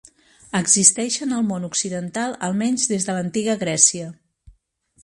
Existeixen al món occidental almenys des de l'antiga Grècia.